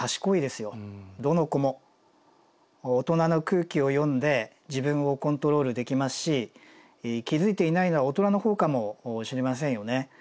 大人の空気を読んで自分をコントロールできますし気付いていないのは大人のほうかもしれませんよね。